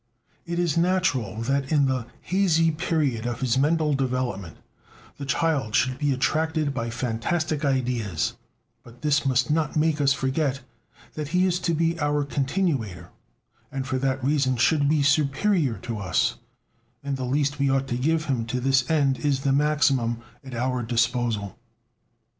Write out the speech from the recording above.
It is natural that in the hazy period of his mental development the child should be attracted by fantastic ideas; but this must not make us forget that he is to be our continuator, and for that reason should be superior to us; and the least we ought to give him to this end is the maximum at our disposal.